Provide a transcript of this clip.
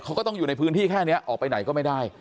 เขาก็ต้องอยู่ในพื้นที่แค่นี้ออกไปไหนก็ไม่ได้